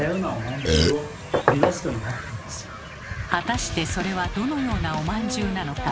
果たしてそれはどのようなおまんじゅうなのか。